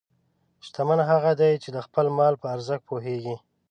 شتمن هغه دی چې د خپل مال په ارزښت پوهېږي.